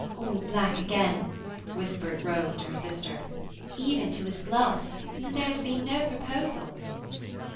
"All black again," whispered Rose to her sister, "even to his gloves; then there has been no proposal."